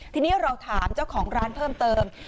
ทีนี้เราถามเจ้าของร้านเพิ่มเติม